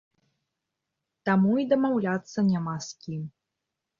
Таму і дамаўляцца няма з кім.